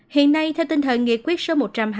hiện nay theo tinh thần nghị quyết số một trăm hai mươi